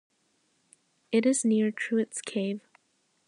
It is near Truitt's Cave.